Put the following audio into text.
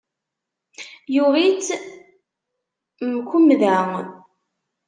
Yuɣ-itt, mkwemmda.